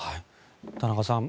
田中さん